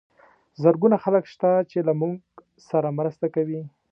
زرګونه خلک شته چې له موږ سره مرسته کوي.